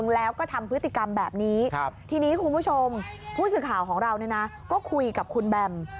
แล้วก็ทำพฤติกรรมแบบนี้ทีนี้คุณผู้ชมผู้สื่อข่าวของเราก็คุยกับคุณแบม